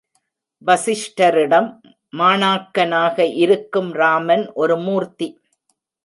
வசிஷ்டரிடம் மாணாக்கனாக இருக்கும் ராமன் ஒரு மூர்த்தி.